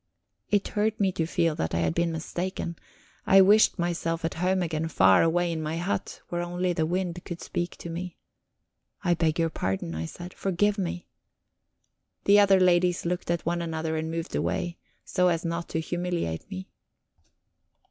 It hurt me to feel that I had been mistaken; I wished myself at home again, far away in my hut, where only the wind could speak to me. "I beg your pardon," I said; "forgive me." The other ladies looked at one another and moved away, so as not to humiliate me.